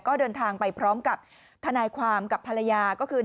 ก็เดินทางไปพร้อมกับทนายความกับภรรยาก็คือ